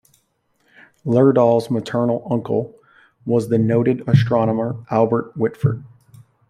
Lerdahl's maternal uncle was the noted astronomer Albert Whitford.